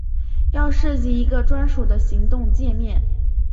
要设计一个专属的行动介面